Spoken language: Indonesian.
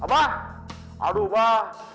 apa aduh pak